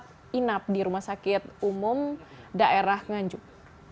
ini juga sangat inap di rumah sakit umum daerah nganjuk